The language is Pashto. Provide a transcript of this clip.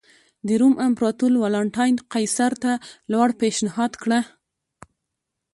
د روم امپراتور والنټیناین قیصر ته لور پېشنهاد کړه.